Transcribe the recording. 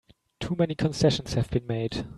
Too many concessions have been made!